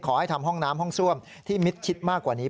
ขอให้ทำห้องน้ำห้องซ่วมที่มิดชิดมากกว่านี้